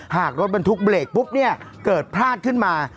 หากรถบรรทุกเบรกปุ๊บเนี่ยเกิดพลาดขึ้นมา